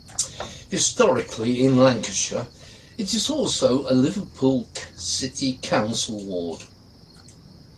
Historically in Lancashire, it is also a Liverpool City Council ward.